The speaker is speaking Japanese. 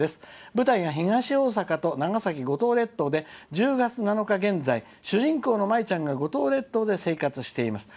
舞台が東大阪と長崎・五島列島で１０月７日現在主人公の舞ちゃんが五島列島で生活しています」。